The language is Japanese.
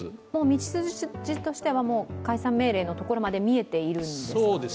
道筋としては、解散命令のところまで見えているんですか？